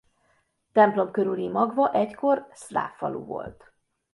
Templom körüli magva egykor szláv falu volt.